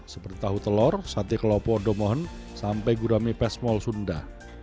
seperti tahu telur sate kelopo domohon sampai gurami pesmol sunda